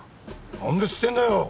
何で知ってんだよ！